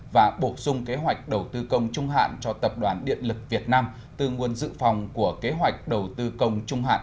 và bổ sung kế hoạch đầu tư công trung hạn cho tập đoàn điện lực việt nam từ nguồn dự phòng của kế hoạch đầu tư công trung hạn